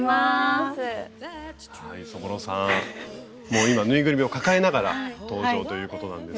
もう今ぬいぐるみを抱えながら登場ということなんですが。